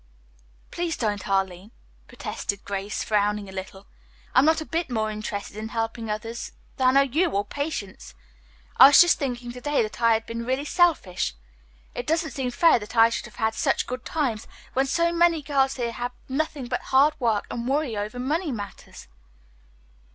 "Please don't, Arline," protested Grace, frowning a little. "I'm not a bit more interested in helping others than are you or Patience. I was just thinking to day that I had really been selfish. It doesn't seem fair that I should have had such good times when so many girls here have nothing but hard work and worry over money matters."